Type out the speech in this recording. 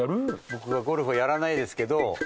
僕はゴルフはやらないですけど。